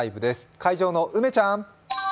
会場の梅ちゃん！